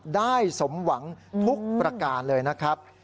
ได้สมหวังทุกประการเลยนะครับ